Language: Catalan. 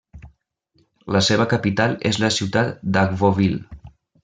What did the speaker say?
La seva capital és la ciutat d'Agboville.